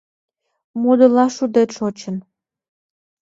Модыла шудет шочын.